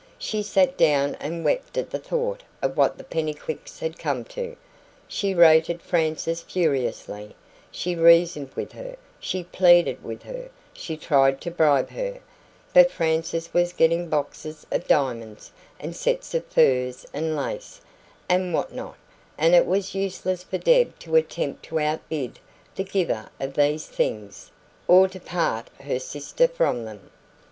She sat down and wept at the thought of what the Pennycuicks had come to. She rated Frances furiously; she reasoned with her; she pleaded with her; she tried to bribe her; but Frances was getting boxes of diamonds, and sets of furs and lace, and what not, and it was useless for Deb to attempt to outbid the giver of these things, or to part her sister from them.